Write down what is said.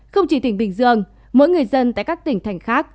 không chỉ tỉnh bình dương mỗi người dân tại các tỉnh thành khác